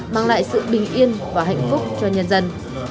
mang lại sự bình yên và hạnh phúc cho nhân dân